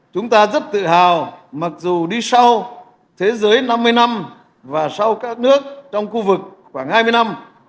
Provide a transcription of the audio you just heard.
chúng ta rất tự hào mặc dù đi sau thế giới năm mươi năm và sau các nước trong khu vực khoảng hai mươi năm